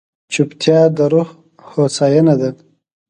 چپتیا، د روح هوساینه ده.